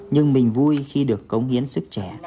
nhưng mình vui khi được cống hiến sức trẻ